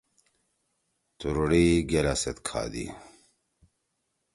تُوریڑی گیلا سیت کھادی۔